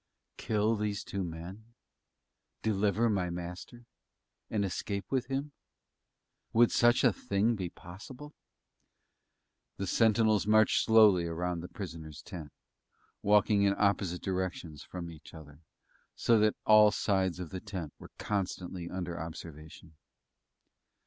Kill these two men? Deliver my Master? and escape with him? Would such a thing be possible?... The sentinels marched slowly around the prisoner's tent, walking in opposite directions from each other, so that all sides of the tent were constantly under observation.